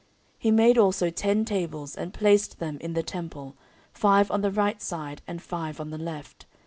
14:004:008 He made also ten tables, and placed them in the temple, five on the right side, and five on the left.